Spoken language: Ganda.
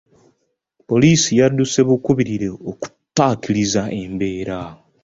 Poliisi yadduse bukubirire okutaakiriza embeera.